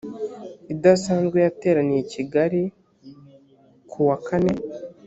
idasanzwe yateraniye i kigali ku wa kane